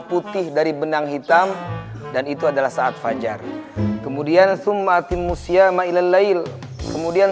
putih dari benang hitam dan itu adalah saat fajar kemudian sumati musyamailail kemudian